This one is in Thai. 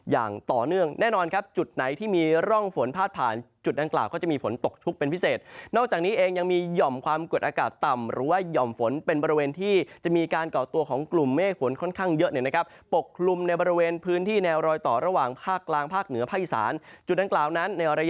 อย่างต่อเนื่องแน่นอนครับจุดไหนที่มีร่องฝนพาดผ่านจุดดังกล่าวก็จะมีฝนตกชุกเป็นพิเศษนอกจากนี้เองยังมีหย่อมความกดอากาศต่ำหรือว่าหย่อมฝนเป็นบริเวณที่จะมีการก่อตัวของกลุ่มเมฆฝนค่อนข้างเยอะเนี่ยนะครับปกคลุมในบริเวณพื้นที่แนวรอยต่อระหว่างภาคกลางภาคเหนือภาคอีสานจุดดังกล่าวนั้นในระยะ